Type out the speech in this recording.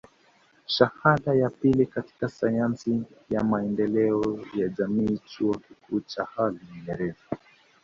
Shahada ya pili katika sayansi ya maendeleo ya jamii Chuo Kikuu cha Hull Uingereza